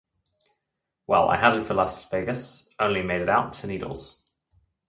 Well, I headed for Las Vegas, only made it out to Needles.